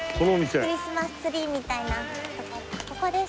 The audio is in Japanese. クリスマスツリーみたいなここです。